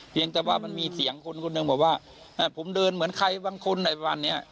แต่ว่ามันมีเสียงคนคนหนึ่งบอกว่าผมเดินเหมือนใครบางคนอะไรประมาณเนี้ย